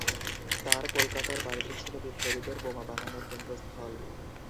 তার কলকাতার বাড়িটি ছিল বিপ্লবীদের বোমা বানানোর কেন্দ্রস্থল।